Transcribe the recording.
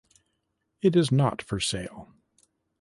It is not for sale.